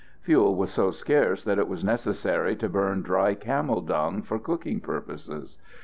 Fuel was so scarce that it was necessary to burn dry camel dung for cooking purposes.